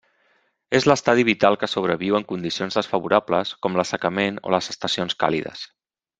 És l'estadi vital que sobreviu en condicions desfavorables, com l'assecament o les estacions càlides.